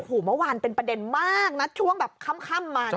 หูวมันวานเป็นประเด็นมากนะช่วงแบบค่ำมา